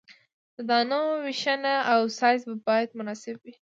د دانو ویشنه او سایز باید مناسب وي